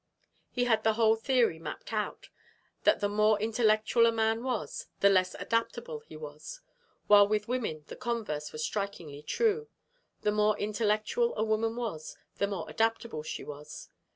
He had the whole theory mapped out, that the more intellectual a man was, the less adaptable he was, while with women the converse was strikingly true the more intellectual a woman was, the more adaptable she was.